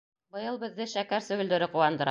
Быйыл беҙҙе шәкәр сөгөлдөрө ҡыуандыра.